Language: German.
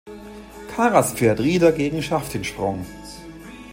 Karas Pferd "Rih" dagegen schafft den Sprung.